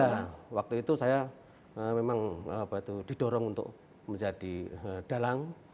ya waktu itu saya memang didorong untuk menjadi dalang